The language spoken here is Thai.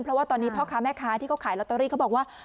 เพราะว่าตอนนี้พ่อค้าแม่ค้าที่เขาขายลอตเตอรี่เขาบอกว่า